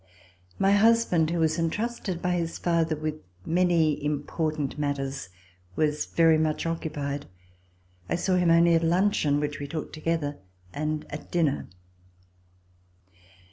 My husband, who was entrusted by his father with many important matters, was very much occupied. I saw him only at luncheon which we took together, and at dinner.